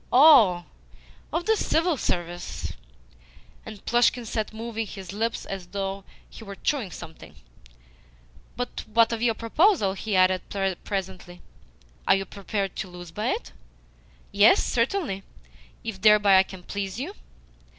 "Oh! Of the CIVIL Service?" And Plushkin sat moving his lips as though he were chewing something. "Well, what of your proposal?" he added presently. "Are you prepared to lose by it?" "Yes, certainly, if thereby I can please you."